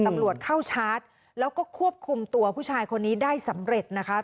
ตำรวจเข้าชาร์จแล้วก็ควบคุมตัวผู้ชายคนนี้ได้สำเร็จนะคะ